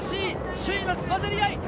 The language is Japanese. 首位のつばぜり合い。